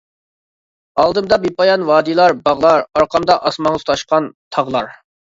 ئالدىمدا بىپايان ۋادىلار، باغلار، ئارقامدا ئاسمانغا تۇتاشقان تاغلار.